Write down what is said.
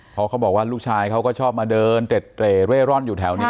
เพราะเขาบอกว่าลูกชายเขาก็ชอบมาเดินเต็ดเตร่เร่ร่อนอยู่แถวนี้